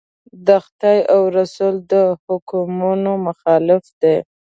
د خدای او رسول د حکمونو مخالف دي.